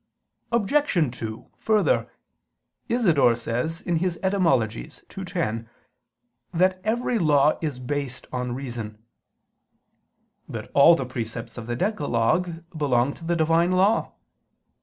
Obj. 2: Further, Isidore says (Etym. ii, 10) that every law is based on reason. But all the precepts of the decalogue belong to the Divine law.